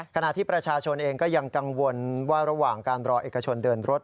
ขณะที่ประชาชนเองก็ยังกังวลว่าระหว่างการรอเอกชนเดินรถ